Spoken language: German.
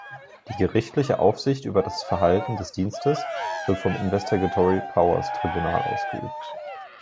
Die gerichtliche Aufsicht über das Verhalten des Dienstes wird vom Investigatory Powers Tribunal ausgeübt.